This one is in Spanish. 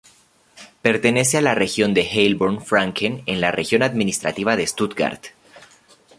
Pertenece a la región de Heilbronn-Franken en la región administrativa de Stuttgart.